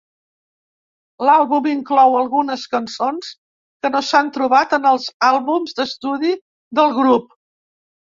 L'àlbum inclou algunes cançons que no s'han trobat en els àlbums d'estudi del grup.